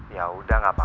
ya udah gak apa apa